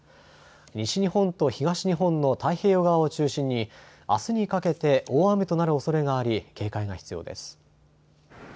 西日本と東日本の太平洋側を中心にあすにかけて大雨となるおそれがあり、警戒が必要です。